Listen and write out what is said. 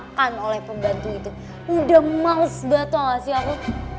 makan oleh pembantu itu udah males banget tau gak sih aku